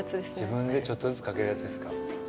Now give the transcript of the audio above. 自分でちょっとずつ掛けるやつですか。